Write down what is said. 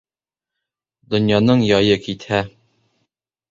Донъяның яйы китһә